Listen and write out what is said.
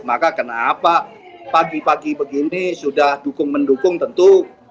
maka kenapa pagi pagi begini sudah dukung mendukung tentu